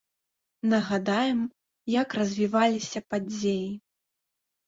Нагадаем, як развіваліся падзеі.